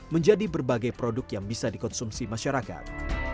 menjadi berbagai produk yang bisa dikonsumsi masyarakat